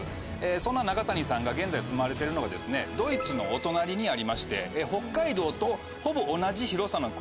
そんな中谷さんが現在住まわれてるのがドイツのお隣にありまして北海道とほぼ同じ広さの国